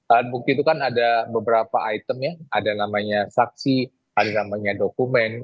alat bukti itu kan ada beberapa item ya ada namanya saksi ada namanya dokumen